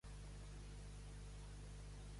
Foc amb ells, que són pocs i fugen.